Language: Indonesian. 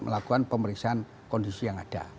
melakukan pemeriksaan kondisi yang ada